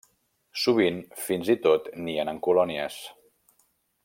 Sovint, fins i tot, nien en colònies.